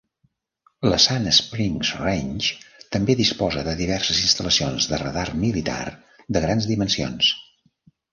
La Sand Springs Range també disposa de diverses instal·lacions de radar militar de grans dimensions.